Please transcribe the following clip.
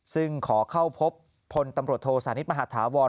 ซึ่งขอเข้าพบพลตำรวจโทสานิทมหาธาวร